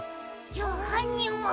じゃあはんにんは。